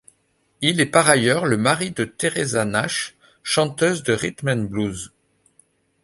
Il est par ailleurs le mari de Teresa Nash, chanteuse de rhythm 'n' blues.